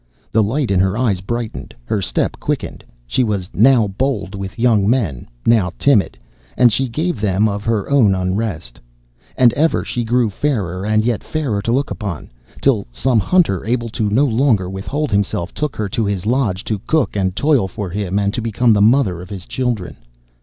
The light in her eyes brightened, her step quickened, she was now bold with the young men, now timid, and she gave them of her own unrest. And ever she grew fairer and yet fairer to look upon, till some hunter, able no longer to withhold himself, took her to his lodge to cook and toil for him and to become the mother of his children.